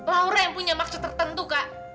laura yang punya maksud tertentu kak